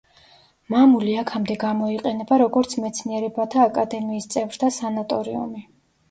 მამული აქამდე გამოიყენება, როგორც მეცნიერებათა აკადემიის წევრთა სანატორიუმი.